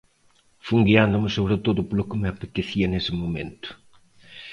Fun guiándome sobre todo polo que me apetecía nese momento.